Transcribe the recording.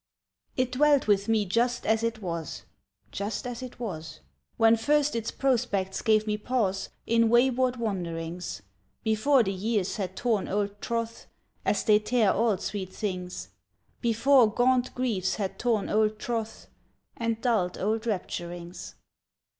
It dwelt with me just as it was, Just as it was When first its prospects gave me pause In wayward wanderings, Before the years had torn old troths As they tear all sweet things, Before gaunt griefs had torn old troths And dulled old rapturings.